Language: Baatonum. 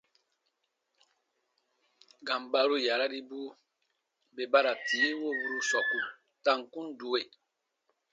Gambaro yararibu bè ba ra tii woburu sɔku ta kun due.